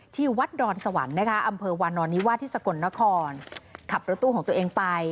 ที่วัดดอนสวรรค์นะคะอำเภอวานอนนิวาสที่สกลนครขับรถตู้ของตัวเองไป